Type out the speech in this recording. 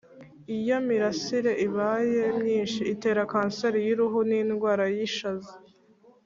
iyo mirase ibaye myinshi itera kanseri y uruhu n indwara y ishaza